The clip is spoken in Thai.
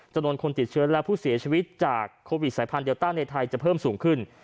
จำนวนคนติดเชื้อและผู้เสียชีวิตจากโควิดสายพันธุเดลต้าในไทยจะเพิ่มสูงขึ้น